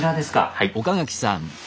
はい。